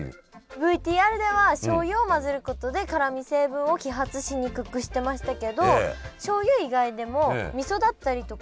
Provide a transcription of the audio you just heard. ＶＴＲではしょうゆを混ぜることで辛み成分を揮発しにくくしてましたけどしょうゆ以外でもみそだったりとか。